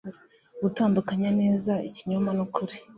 gutandukanya neza ikinyoma n'ukuri